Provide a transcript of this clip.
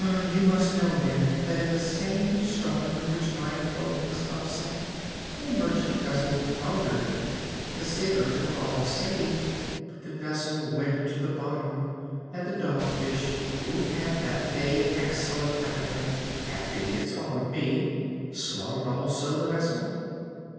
You must know, then, that in the same storm in which my boat was upset a merchant vessel foundered. The sailors were all saved, but the vessel went to the bottom, and the Dog Fish, who had that day an excellent appetite, after he had swallowed me, swallowed also the vessel."